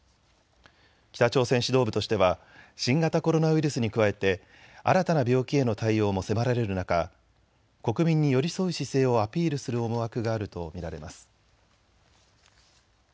北朝鮮指導部としては新型コロナウイルスに加えて新たな病気への対応も迫られる中、国民に寄り添う姿勢をアピールする思惑があると見られます。